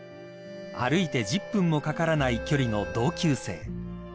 ［歩いて１０分もかからない距離の同級生］